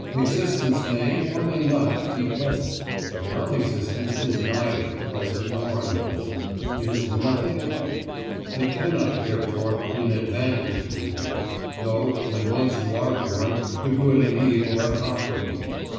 Existence may, or may not, be pleasant; but non existence is neither pleasant nor unpleasant—it is nothing at all. It cannot, therefore, be an advantage to be born, though, when once you are born, the good and the evil are comparable.